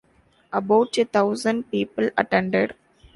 About a thousand people attended.